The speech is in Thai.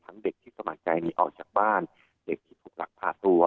เด็กที่สมัครใจหนีออกจากบ้านเด็กที่ถูกลักพาตัว